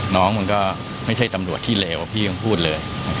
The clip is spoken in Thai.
มันก็ไม่ใช่ตำรวจที่เลวพี่ยังพูดเลย